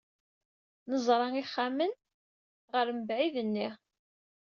Neẓra ixxamen ɣer mebɛid-nni.